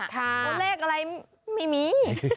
ตัวเลขอะไรไม่มี